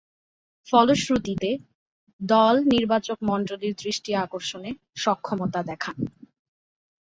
ফলশ্রুতিতে, দল নির্বাচকমণ্ডলীর দৃষ্টি আকর্ষণে সক্ষমতা দেখান।